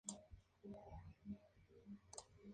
C.. Su capital estaba en Yin Xu.